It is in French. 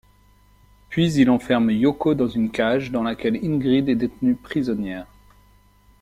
Puis, il enferme Yoko dans une cage dans laquelle Ingrid est détenue prisonnière.